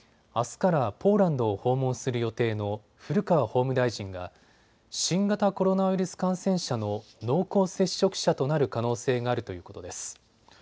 あすからポーランドを訪問する予定の古川法務大臣が新型コロナウイルス感染者の濃厚接触者となる可能性があるということです。